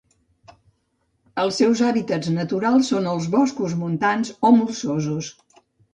Els seus hàbitats naturals són els boscos montans o molsosos.